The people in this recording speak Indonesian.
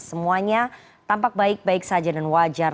semuanya tampak baik baik saja dan wajar